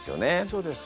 そうです。